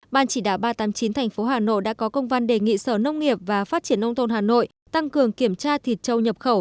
ban chỉ đạo ba trăm tám mươi chín tp hà nội đã có công văn đề nghị sở nông nghiệp và phát triển nông thôn hà nội tăng cường kiểm tra thịt trâu nhập khẩu